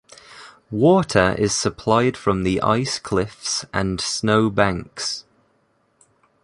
Water is supplied from the ice-cliffs and snow banks.